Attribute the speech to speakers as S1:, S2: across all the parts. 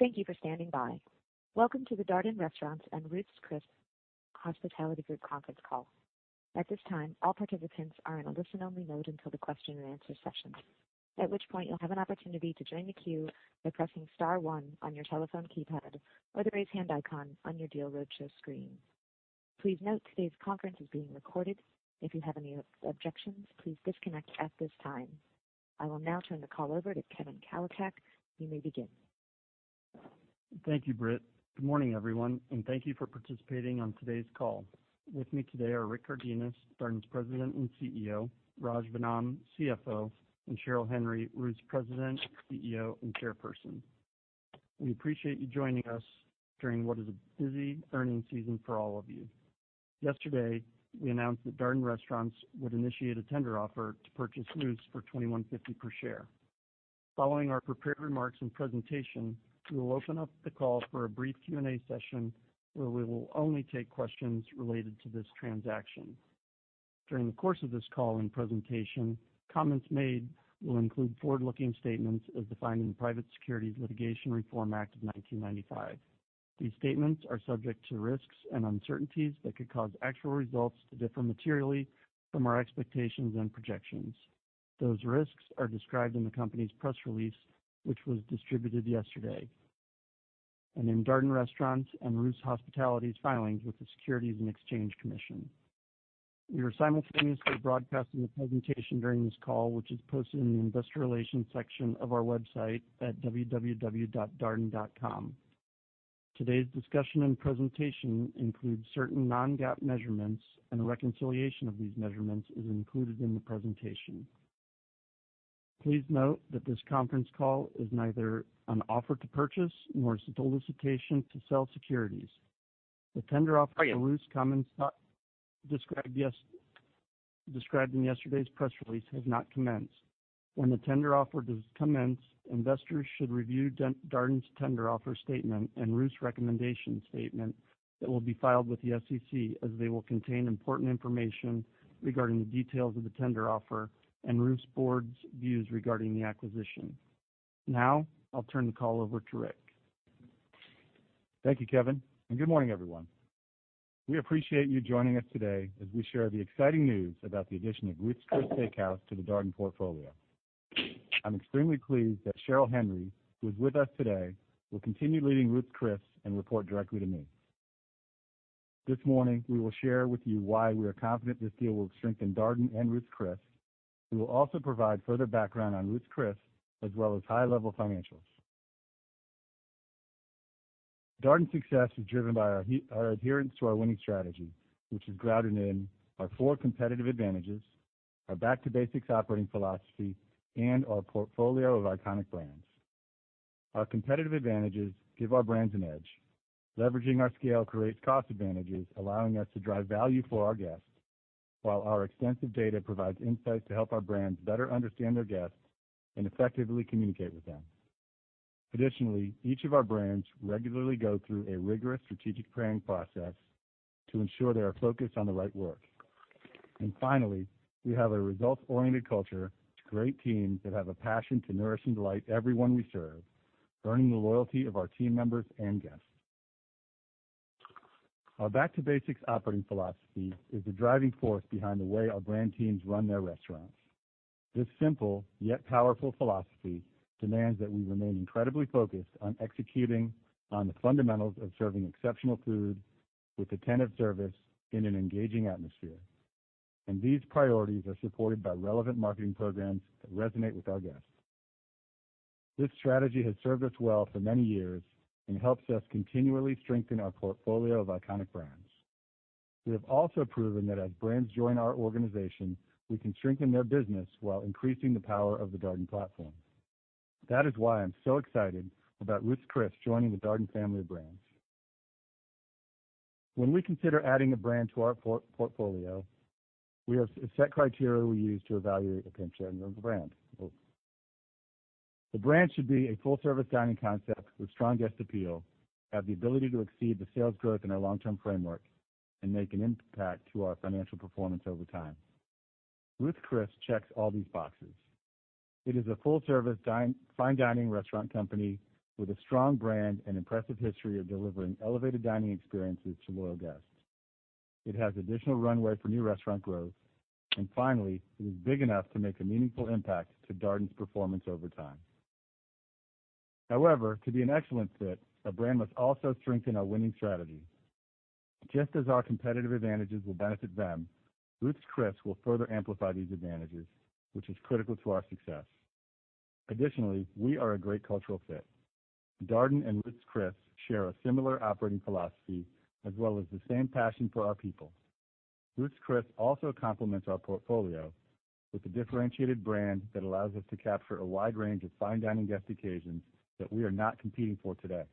S1: Thank you for standing by. Welcome to the Darden Restaurants and Ruth's Hospitality Group conference call. At this time, all participants are in a listen-only mode until the question and answer session, at which point you'll have an opportunity to join the queue by pressing star one on your telephone keypad or the raise hand icon on your Deal Roadshow screen. Please note today's conference is being recorded. If you have any objections, please disconnect at this time. I will now turn the call over to Kevin Kalicak. You may begin.
S2: Thank you, Brit. Good morning, everyone. Thank you for participating on today's call. With me today are Rick Cardenas, Darden's President and CEO, Raj Vennam, CFO, and Cheryl Henry, Ruth's President, CEO, and Chairperson. We appreciate you joining us during what is a busy earnings season for all of you. Yesterday, we announced that Darden Restaurants would initiate a tender offer to purchase Ruth's for $21.50 per share. Following our prepared remarks and presentation, we will open up the call for a brief Q&A session where we will only take questions related to this transaction. During the course of this call and presentation, comments made will include forward-looking statements as defined in the Private Securities Litigation Reform Act of 1995. These statements are subject to risks and uncertainties that could cause actual results to differ materially from our expectations and projections. Those risks are described in the company's press release, which was distributed yesterday, and in Darden Restaurants and Ruth's Hospitality's filings with the Securities and Exchange Commission. We are simultaneously broadcasting the presentation during this call, which is posted in the Investor Relations section of our website at www.darden.com. Today's discussion and presentation includes certain non-GAAP measurements. A reconciliation of these measurements is included in the presentation. Please note that this conference call is neither an offer to purchase nor a solicitation to sell securities. The tender offer for Ruth's Chris described in yesterday's press release has not commenced. When the tender offer does commence, investors should review Darden's tender offer statement and Ruth's recommendation statement that will be filed with the SEC as they will contain important information regarding the details of the tender offer and Ruth's board's views regarding the acquisition. Now, I'll turn the call over to Rick.
S3: Thank you, Kevin. Good morning, everyone. We appreciate you joining us today as we share the exciting news about the addition of Ruth's Chris Steak House to the Darden portfolio. I'm extremely pleased that Cheryl Henry, who is with us today, will continue leading Ruth's Chris and report directly to me. This morning, we will share with you why we are confident this deal will strengthen Darden and Ruth's Chris, who will also provide further background on Ruth's Chris as well as high-level financials. Darden's success is driven by our adherence to our winning strategy, which is grounded in our four competitive advantages, our back-to-basics operating philosophy, and our portfolio of iconic brands. Our competitive advantages give our brands an edge. Leveraging our scale creates cost advantages, allowing us to drive value for our guests, while our extensive data provides insights to help our brands better understand their guests and effectively communicate with them. Additionally, each of our brands regularly go through a rigorous strategic planning process to ensure they are focused on the right work. Finally, we have a results-oriented culture, great teams that have a passion to nourish and delight everyone we serve, earning the loyalty of our team members and guests. Our back-to-basics operating philosophy is the driving force behind the way our brand teams run their restaurants. This simple yet powerful philosophy demands that we remain incredibly focused on executing on the fundamentals of serving exceptional food with attentive service in an engaging atmosphere. These priorities are supported by relevant marketing programs that resonate with our guests. This strategy has served us well for many years and helps us continually strengthen our portfolio of iconic brands. We have also proven that as brands join our organization, we can strengthen their business while increasing the power of the Darden platform. That is why I'm so excited about Ruth's Chris joining the Darden family of brands. When we consider adding a brand to our portfolio, we have a set criteria we use to evaluate a potential brand. The brand should be a full-service dining concept with strong guest appeal, have the ability to exceed the sales growth in our long-term framework, and make an impact to our financial performance over time. Ruth's Chris checks all these boxes. It is a full-service fine dining restaurant company with a strong brand and impressive history of delivering elevated dining experiences to loyal guests. It has additional runway for new restaurant growth. Finally, it is big enough to make a meaningful impact to Darden's performance over time. However, to be an excellent fit, a brand must also strengthen our winning strategy. Just as our competitive advantages will benefit them, Ruth's Chris will further amplify these advantages, which is critical to our success. We are a great cultural fit. Darden and Ruth's Chris share a similar operating philosophy as well as the same passion for our people. Ruth's Chris also complements our portfolio with a differentiated brand that allows us to capture a wide range of fine dining guest occasions that we are not competing for today.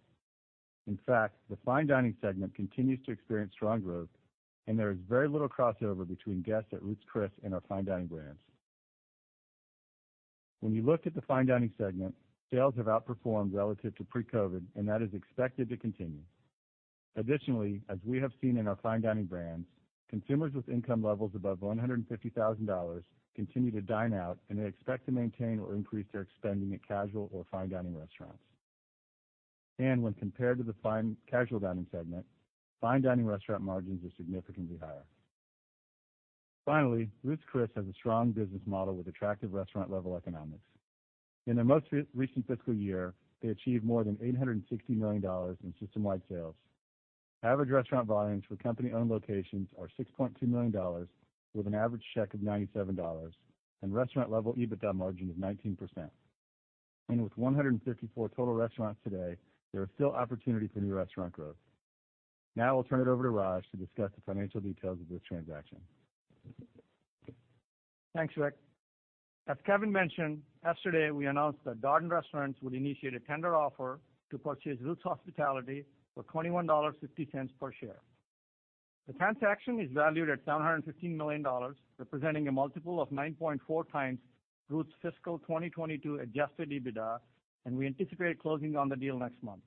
S3: In fact, the fine dining segment continues to experience strong growth, and there is very little crossover between guests at Ruth's Chris and our fine dining brands. When you look at the fine dining segment, sales have outperformed relative to pre-COVID, that is expected to continue. As we have seen in our fine dining brands, consumers with income levels above $150,000 continue to dine out, they expect to maintain or increase their spending at casual or fine dining restaurants. When compared to the fine casual dining segment, fine dining restaurant margins are significantly higher. Ruth's Chris has a strong business model with attractive restaurant level economics. In their most recent fiscal year, they achieved more than $860 million in system-wide sales. Average restaurant volumes for company-owned locations are $6.2 million, with an average check of $97 and restaurant level EBITDA margin of 19%. With 154 total restaurants today, there is still opportunity for new restaurant growth. I'll turn it over to Raj to discuss the financial details of this transaction.
S4: Thanks, Rick. As Kevin mentioned, yesterday, we announced that Darden Restaurants would initiate a tender offer to purchase Ruth's Hospitality for $21.50 per share. The transaction is valued at $715 million, representing a multiple of 9.4x Ruth's fiscal 2022 adjusted EBITDA. We anticipate closing on the deal next month.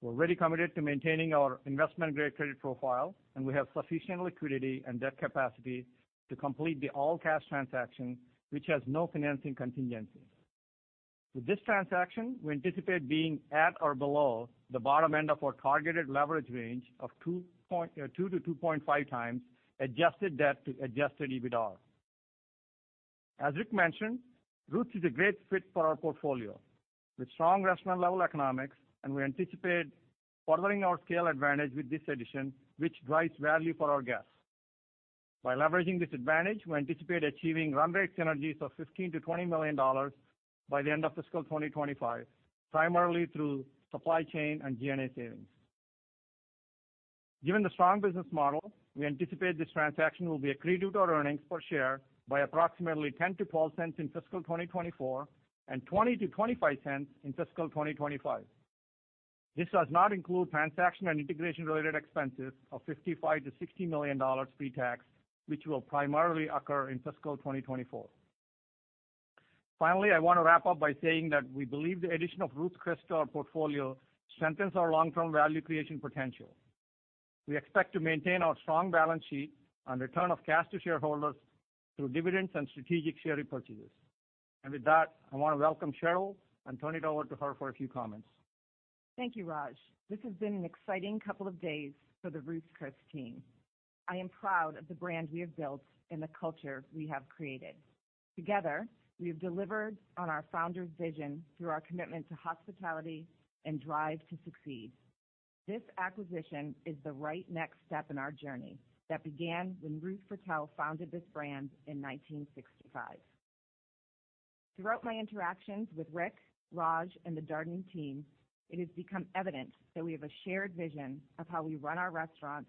S4: We're already committed to maintaining our investment-grade credit profile. We have sufficient liquidity and debt capacity to complete the all-cash transaction, which has no financing contingencies. With this transaction, we anticipate being at or below the bottom end of our targeted leverage range of 2-2.5x adjusted debt to adjusted EBITDA. As Rick mentioned, Ruth's is a great fit for our portfolio with strong restaurant level economics, and we anticipate furthering our scale advantage with this addition, which drives value for our guests. By leveraging this advantage, we anticipate achieving run rate synergies of $15 million-$20 million by the end of fiscal 2025, primarily through supply chain and G&A savings. Given the strong business model, we anticipate this transaction will be accretive to our earnings per share by approximately $0.10-$0.12 in fiscal 2024 and $0.20-$0.25 in fiscal 2025. This does not include transaction and integration related expenses of $55 million-$60 million pre-tax, which will primarily occur in fiscal 2024. Finally, I want to wrap up by saying that we believe the addition of Ruth's Chris to our portfolio strengthens our long-term value creation potential. We expect to maintain our strong balance sheet and return of cash to shareholders through dividends and strategic share repurchases. With that, I want to welcome Cheryl and turn it over to her for a few comments.
S5: Thank you, Raj. This has been an exciting couple of days for the Ruth's Chris team. I am proud of the brand we have built and the culture we have created. Together, we have delivered on our founder's vision through our commitment to hospitality and drive to succeed. This acquisition is the right next step in our journey that began when Ruth Fertel founded this brand in 1965. Throughout my interactions with Rick, Raj, and the Darden team, it has become evident that we have a shared vision of how we run our restaurants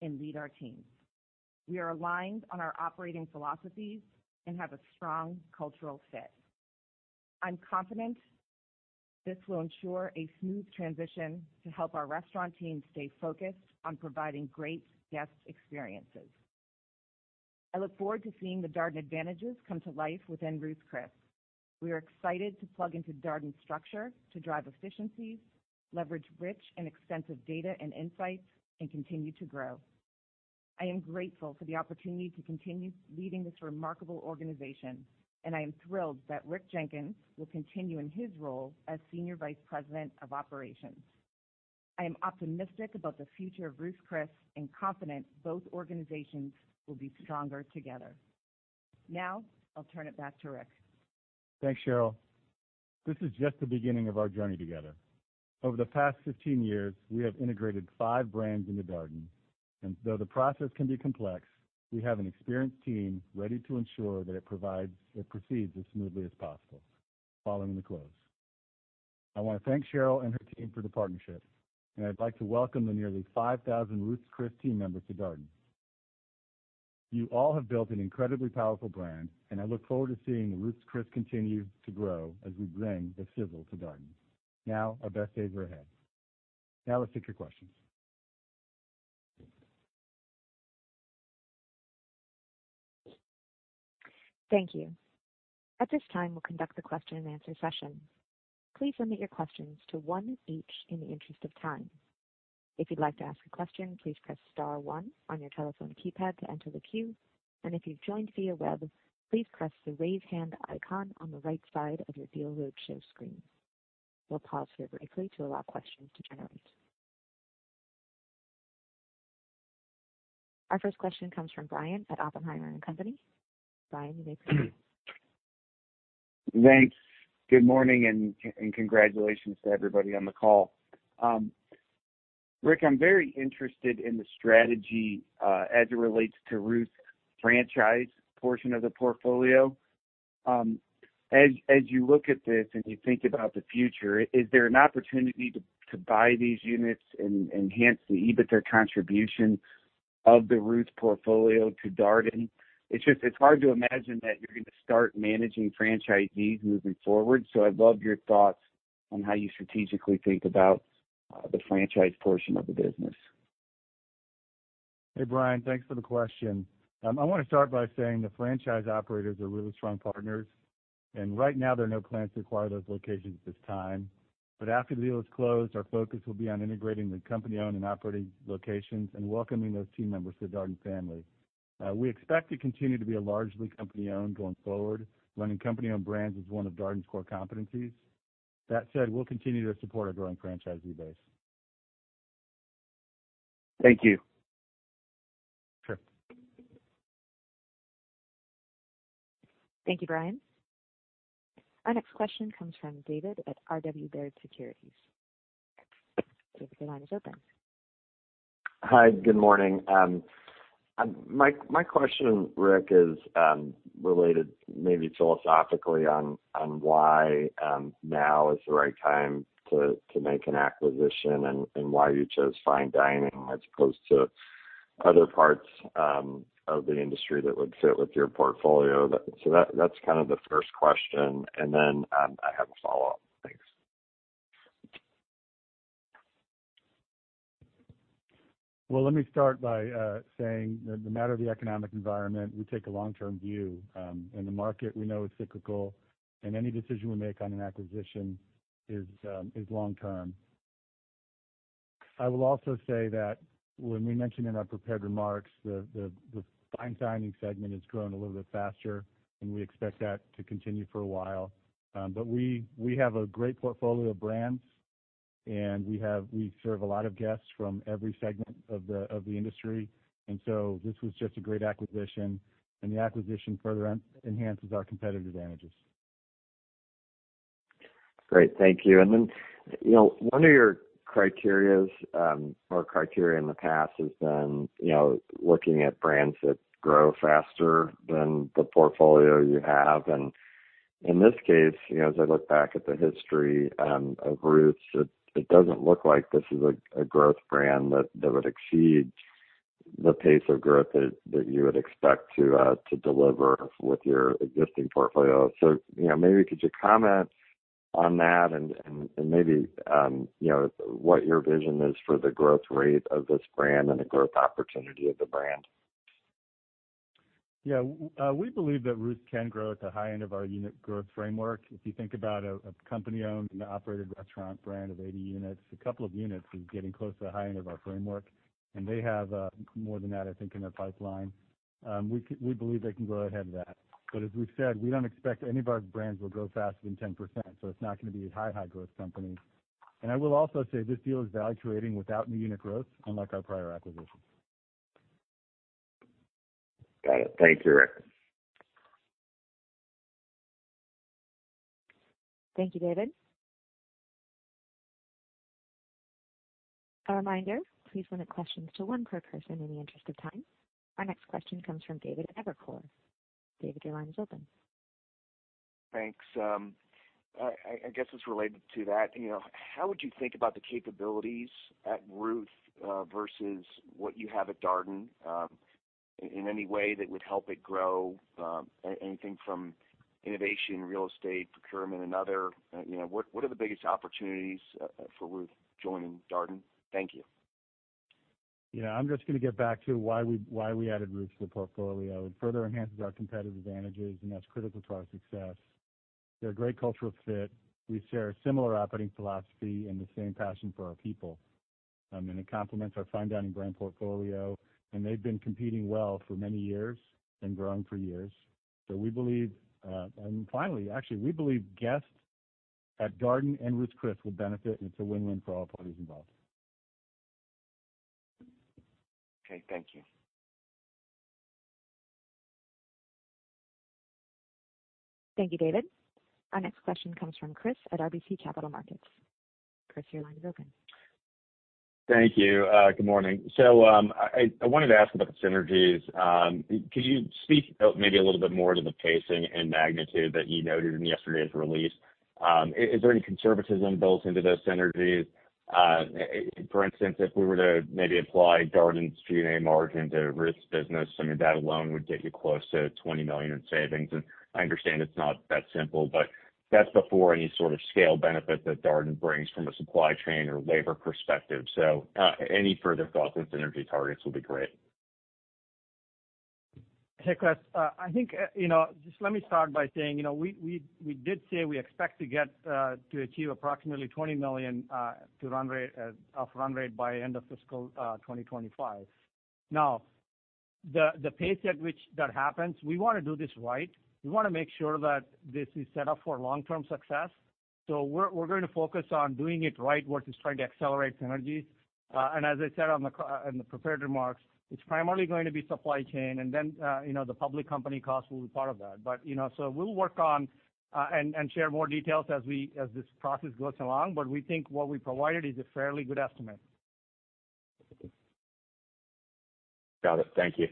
S5: and lead our teams. We are aligned on our operating philosophies and have a strong cultural fit. I'm confident this will ensure a smooth transition to help our restaurant team stay focused on providing great guest experiences. I look forward to seeing the Darden advantages come to life within Ruth's Chris. We are excited to plug into Darden's structure to drive efficiencies, leverage rich and extensive data and insights, and continue to grow. I am grateful for the opportunity to continue leading this remarkable organization, and I am thrilled that Rik Jenkins will continue in his role as Senior Vice President of Operations. I am optimistic about the future of Ruth's Chris and confident both organizations will be stronger together. Now I'll turn it back to Rick.
S3: Thanks, Cheryl. This is just the beginning of our journey together. Over the past 15 years, we have integrated five brands into Darden, though the process can be complex, we have an experienced team ready to ensure that it proceeds as smoothly as possible following the close. I wanna thank Cheryl and her team for the partnership. I'd like to welcome the nearly 5,000 Ruth's Chris team members to Darden. You all have built an incredibly powerful brand. I look forward to seeing Ruth's Chris continue to grow as we bring the sizzle to Darden. Now our best days are ahead. Now let's take your questions.
S1: Thank you. At this time, we'll conduct the question and answer session. Please limit your questions to one each in the interest of time. If you'd like to ask a question, please press star one on your telephone keypad to enter the queue. If you've joined via web, please press the Raise Hand icon on the right side of your Deal Roadshow screen. We'll pause here briefly to allow questions to generate. Our first question comes from Brian at Oppenheimer & Company. Brian, you may proceed.
S6: Thanks. Good morning and congratulations to everybody on the call. Rick, I'm very interested in the strategy as it relates to Ruth's franchise portion of the portfolio. As you look at this and you think about the future, is there an opportunity to buy these units and enhance the EBITDA contribution of the Ruth's portfolio to Darden? It's just, it's hard to imagine that you're gonna start managing franchisees moving forward. I'd love your thoughts on how you strategically think about the franchise portion of the business.
S3: Hey, Brian, thanks for the question. I wanna start by saying the franchise operators are really strong partners, and right now there are no plans to acquire those locations at this time. After the deal is closed, our focus will be on integrating the company-owned and operated locations and welcoming those team members to the Darden family. We expect to continue to be a largely company-owned going forward. Running company-owned brands is one of Darden's core competencies. That said, we'll continue to support our growing franchisee base.
S6: Thank you.
S3: Sure.
S1: Thank you, Brian. Our next question comes from David at RW Baird Securities. David, your line is open.
S7: Hi, good morning. My question, Rick, is, related maybe philosophically on why, now is the right time to make an acquisition and why you chose fine dining as opposed to other parts, of the industry that would fit with your portfolio. That's kind of the first question. I have a follow-up. Thanks.
S3: Well, let me start by saying that no matter the economic environment, we take a long-term view, and the market we know is cyclical, and any decision we make on an acquisition is long term. I will also say that when we mentioned in our prepared remarks the fine dining segment has grown a little bit faster, and we expect that to continue for a while. We have a great portfolio of brands, and we serve a lot of guests from every segment of the industry. This was just a great acquisition, and the acquisition further enhances our competitive advantages.
S7: Great. Thank you. You know, one of your criteria in the past has been, you know, looking at brands that grow faster than the portfolio you have. In this case, you know, as I look back at the history, of Ruth's, it doesn't look like this is a growth brand that would exceed the pace of growth that you would expect to deliver with your existing portfolio. You know, maybe could you comment on that and maybe, you know, what your vision is for the growth rate of this brand and the growth opportunity of the brand?
S3: Yeah. We believe that Ruth's can grow at the high end of our unit growth framework. If you think about a company-owned and operated restaurant brand of 80 units, a couple of units is getting close to the high end of our framework, and they have more than that, I think, in their pipeline. We believe they can grow ahead of that. As we've said, we don't expect any of our brands will grow faster than 10%, so it's not gonna be a high, high growth company. I will also say this deal is valuating without new unit growth, unlike our prior acquisitions.
S7: Got it. Thank you, Rick.
S1: Thank you, David. A reminder, please limit questions to one per person in the interest of time. Our next question comes from David at Evercore. David, your line is open.
S8: Thanks. I guess it's related to that. You know, how would you think about the capabilities at Ruth versus what you have at Darden, in any way that would help it grow, anything from innovation, real estate, procurement and other? You know, what are the biggest opportunities for Ruth joining Darden? Thank you.
S3: Yeah. I'm just gonna get back to why we, why we added Ruth to the portfolio. It further enhances our competitive advantages, and that's critical to our success. They're a great cultural fit. We share a similar operating philosophy and the same passion for our people. It complements our fine dining brand portfolio, and they've been competing well for many years and growing for years. We believe, and finally, actually, we believe guests at Darden and Ruth's Chris will benefit, and it's a win-win for all parties involved.
S8: Okay. Thank you.
S1: Thank you, David. Our next question comes from Chris at RBC Capital Markets. Chris, your line is open.
S9: Thank you. Good morning. I wanted to ask about the synergies. Could you speak maybe a little bit more to the pacing and magnitude that you noted in yesterday's release? Is there any conservatism built into those synergies? For instance, if we were to maybe apply Darden's GAAP margin to Ruth's business, I mean, that alone would get you close to $20 million in savings. I understand it's not that simple, but that's before any sort of scale benefit that Darden brings from a supply chain or labor perspective. Any further thoughts on synergy targets would be great.
S4: Hey, Chris. I think, you know, just let me start by saying, you know, we did say we expect to get to achieve approximately $20 million to run rate of run rate by end of fiscal 2025. The pace at which that happens, we wanna do this right. We wanna make sure that this is set up for long-term success. We're gonna focus on doing it right versus trying to accelerate synergy. And as I said in the prepared remarks, it's primarily going to be supply chain, and then, you know, the public company costs will be part of that. We'll work on and share more details as this process goes along, but we think what we provided is a fairly good estimate.
S9: Got it. Thank you.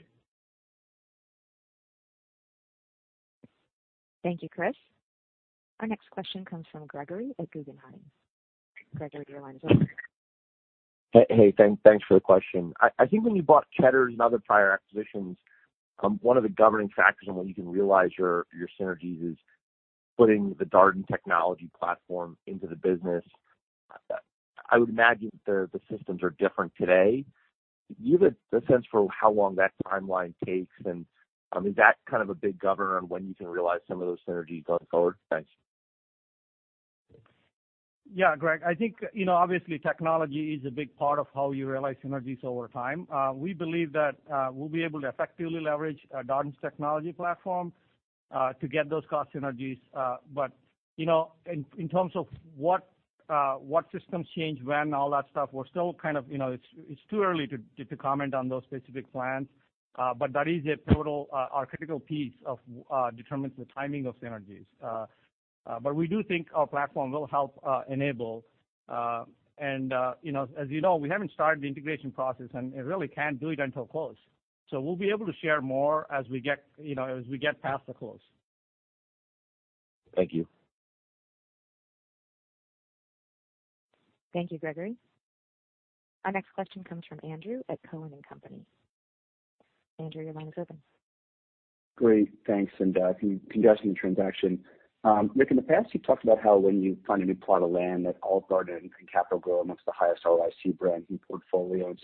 S1: Thank you, Chris. Our next question comes from Gregory at Guggenheim. Gregory, your line is open.
S10: Hey, thanks for the question. I think when you bought Cheddar's and other prior acquisitions, one of the governing factors on when you can realize your synergies is putting the Darden technology platform into the business. I would imagine the systems are different today. Give us a sense for how long that timeline takes, and is that kind of a big governor on when you can realize some of those synergies going forward? Thanks.
S4: Yeah, Greg, I think, you know, obviously technology is a big part of how you realize synergies over time. We believe that we'll be able to effectively leverage Darden's technology platform to get those cost synergies. But, you know, in terms of what systems change when, all that stuff, we're still kind of, you know, it's too early to comment on those specific plans. But that is a pivotal, or critical piece of determines the timing of synergies. But we do think our platform will help enable, and, you know, as you know, we haven't started the integration process, and we really can't do it until close. We'll be able to share more as we get, you know, as we get past the close.
S10: Thank you.
S1: Thank you, Gregory. Our next question comes from Andrew at Cowen and Company. Andrew, your line is open.
S11: Great, thanks. Congrats on the transaction. Rick, in the past, you talked about how when you find a new plot of land that Olive Garden and Capital Grille are amongst the highest ROIC brands in portfolio.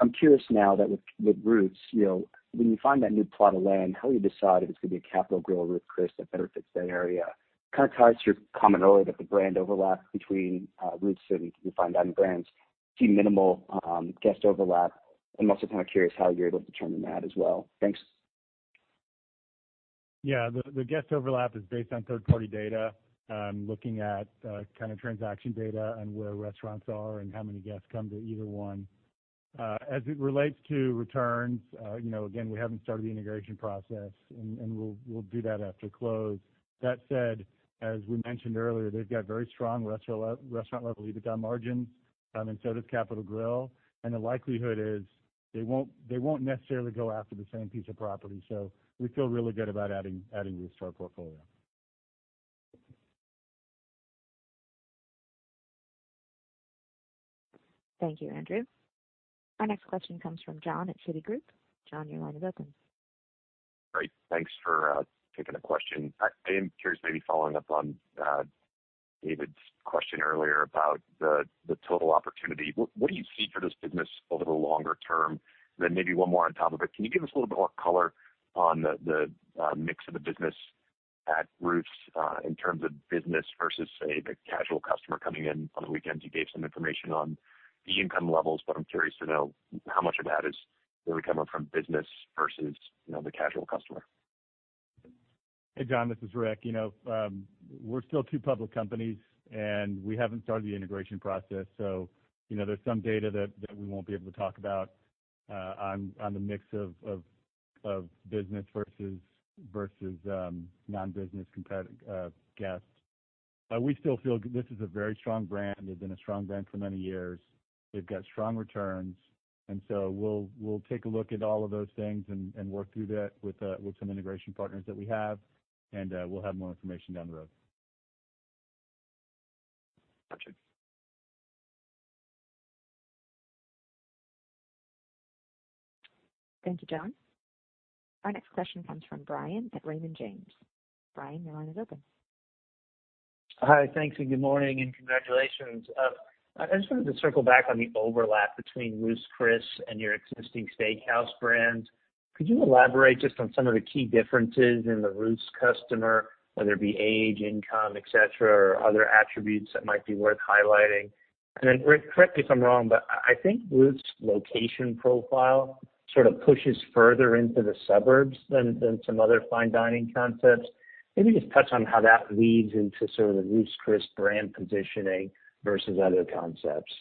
S11: I'm curious now that with Ruth's, you know, when you find that new plot of land, how do you decide if it's gonna be a Capital Grille or Ruth's Chris that better fits that area? Kinda ties to your comment earlier that the brand overlap between Ruth's and your fine dining brands, I see minimal guest overlap. I'm also kind of curious how you're able to determine that as well. Thanks.
S3: Yeah. The guest overlap is based on third party data, looking at, kind of transaction data and where restaurants are and how many guests come to either one. As it relates to returns, you know, again, we haven't started the integration process and we'll do that after close. That said, as we mentioned earlier, they've got very strong restaurant level EBITDA margins, and so does Capital Grille. The likelihood is they won't necessarily go after the same piece of property. We feel really good about adding Ruth's to our portfolio.
S1: Thank you, Andrew. Our next question comes from Jon at Citigroup. Jon, your line is open.
S12: Great. Thanks for taking a question. I am curious, maybe following up on David's question earlier about the total opportunity. What do you see for this business over the longer term? Maybe one more on top of it, can you give us a little bit more color on the mix of the business at Ruth's in terms of business versus say, the casual customer coming in on the weekend? You gave some information on the income levels, but I'm curious to know how much of that is really coming from business versus, you know, the casual customer.
S3: Hey, Jon, this is Rick. You know, we're still two public companies, and we haven't started the integration process. You know, there's some data that we won't be able to talk about, on the mix of business versus non-business guests. We still feel this is a very strong brand. They've been a strong brand for many years. They've got strong returns. We'll take a look at all of those things and work through that with some integration partners that we have. We'll have more information down the road.
S12: Got you.
S1: Thank you, John. Our next question comes from Brian at Raymond James. Brian, your line is open.
S13: Hi. Thanks, and good morning, and congratulations. I just wanted to circle back on the overlap between Ruth's Chris and your existing steakhouse brands. Could you elaborate just on some of the key differences in the Ruth's customer, whether it be age, income, et cetera, or other attributes that might be worth highlighting? Rick, correct me if I'm wrong, but I think Ruth's location profile sort of pushes further into the suburbs than some other fine dining concepts. Maybe just touch on how that leads into sort of the Ruth's Chris brand positioning versus other concepts.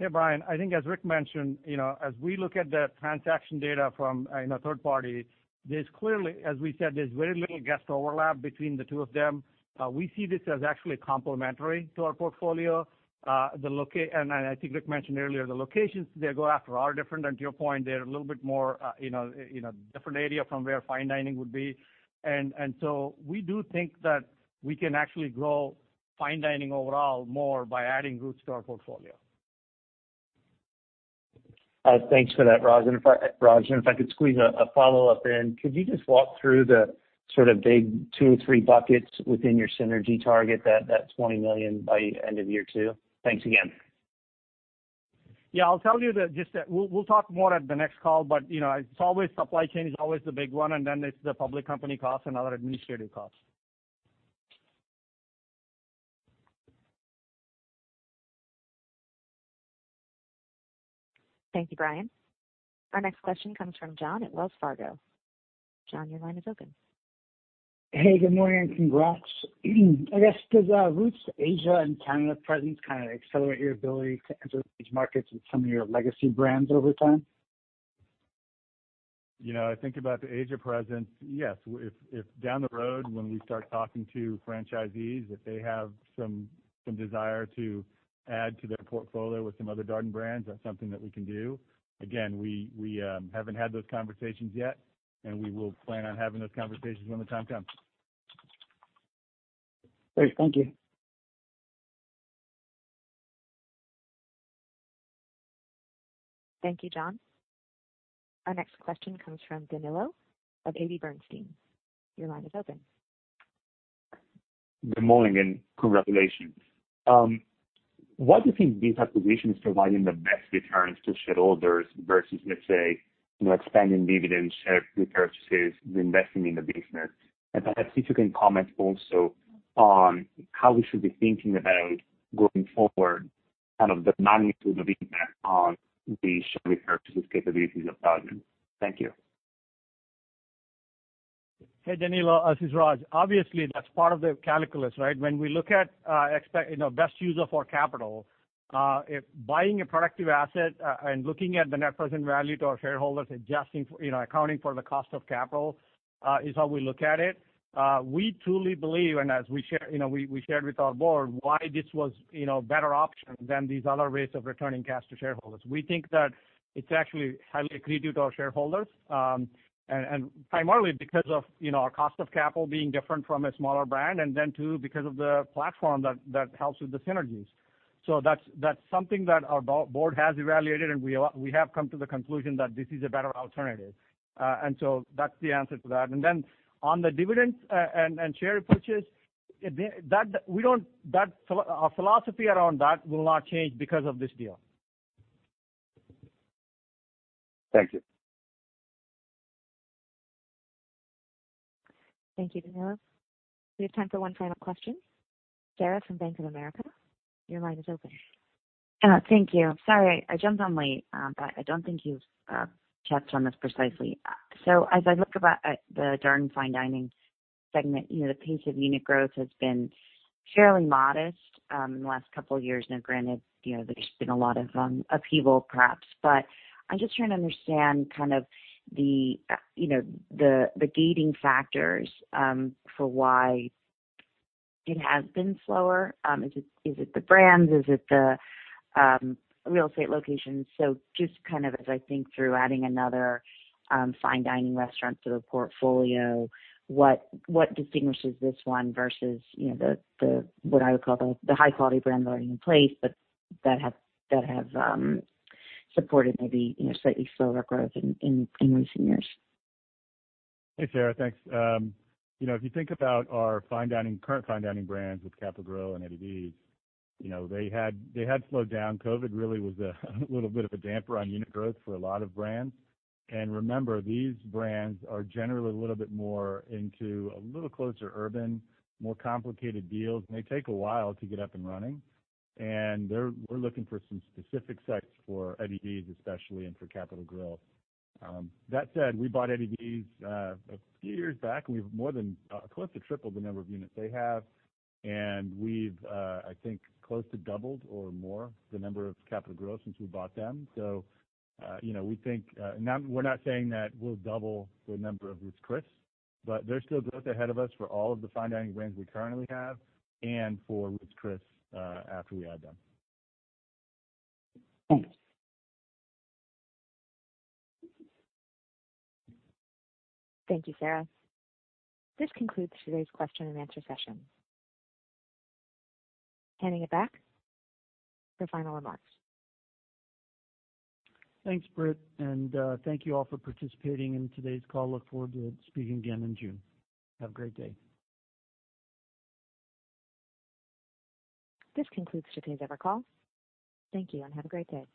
S4: Yeah, Brian, I think as Rick mentioned, you know, as we look at the transaction data from, you know, third party, there's clearly, as we said, there's very little guest overlap between the two of them. We see this as actually complementary to our portfolio. I think Rick mentioned earlier, the locations they go after are different. To your point, they're a little bit more, you know, in a different area from where fine dining would be. We do think that we can actually grow fine dining overall more by adding Ruth's to our portfolio.
S13: Thanks for that, Raj. Raj, if I could squeeze a follow-up in, could you just walk through the sort of big two or three buckets within your synergy target that $20 million by end of year two? Thanks again.
S4: Yeah, I'll tell you that just, we'll talk more at the next call, but, you know, it's always, supply chain is always the big one, and then it's the public company costs and other administrative costs.
S1: Thank you, Brian. Our next question comes from John at Wells Fargo. John, your line is open.
S14: Hey, good morning, and congrats. I guess, does Ruth's Asia and Canada presence kinda accelerate your ability to enter these markets with some of your legacy brands over time?
S3: You know, I think about the Asia presence. Yes, if down the road when we start talking to franchisees, if they have some desire to add to their portfolio with some other Darden brands, that's something that we can do. Again, we haven't had those conversations yet, and we will plan on having those conversations when the time comes.
S14: Great. Thank you.
S1: Thank you, John. Our next question comes from Danilo of AB Bernstein. Your line is open.
S15: Good morning and congratulations. Why do you think this acquisition is providing the best returns to shareholders versus, let's say, you know, expanding dividends, share repurchases, investing in the business? Perhaps if you can comment also on how we should be thinking about going forward, kind of the magnitude of impact on the share repurchase capabilities of Darden. Thank you.
S4: Hey, Danilo, this is Raj. Obviously, that's part of the calculus, right? When we look at, you know, best user for capital, buying a productive asset and looking at the net present value to our shareholders, adjusting for, you know, accounting for the cost of capital, is how we look at it. We truly believe, and as we share, you know, we shared with our board why this was, you know, better option than these other ways of returning cash to shareholders. We think that it's actually highly accretive to our shareholders, and primarily because of, you know, our cost of capital being different from a smaller brand and then two, because of the platform that helps with the synergies. That's, that's something that our board has evaluated, and we have come to the conclusion that this is a better alternative. That's the answer to that. Then on the dividends, and share purchase, Our philosophy around that will not change because of this deal.
S15: Thank you.
S1: Thank you, Danilo. We have time for one final question. Sara from Bank of America. Your line is open.
S16: Thank you. Sorry, I jumped on late, but I don't think you've touched on this precisely. As I look about the Darden Fine Dining segment, you know, the pace of unit growth has been fairly modest in the last couple of years. Now, granted, you know, there's been a lot of upheaval, perhaps. I'm just trying to understand kind of the, you know, the gating factors for why it has been slower. Is it the brands? Is it the real estate location? Just kind of as I think through adding another fine dining restaurant to the portfolio, what distinguishes this one versus, you know, the what I would call the high quality brand learning in place, but that have supported maybe, you know, slightly slower growth in recent years?
S3: Hey, Sara, thanks. You know, if you think about our fine dining, current fine dining brands with The Capital Grille and Eddie V's, you know, they had slowed down. COVID really was a little bit of a damper on unit growth for a lot of brands. Remember, these brands are generally a little bit more into a little closer urban, more complicated deals, and they take a while to get up and running. We're looking for some specific sets for Eddie V's especially and for The Capital Grille. That said, we bought Eddie V's a few years back, and we've more than close to triple the number of units they have. We've, I think close to doubled or more the number of The Capital Grille since we bought them. You know, we think, not, we're not saying that we'll double the number of Ruth's Chris, but there's still growth ahead of us for all of the Darden Fine Dining brands we currently have and for Ruth's Chris, after we add them.
S16: Thanks.
S1: Thank you, Sara. This concludes today's question and answer session. Handing it back for final remarks.
S3: Thanks, Brit, thank you all for participating in today's call. Look forward to speaking again in June. Have a great day.
S1: This concludes today's conference call. Thank you. Have a great day.